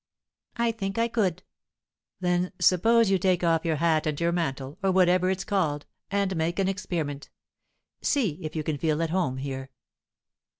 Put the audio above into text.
"I think I could." "Then suppose you take off your hat and your mantle, or whatever it's called, and make an experiment see if you can feel at home here."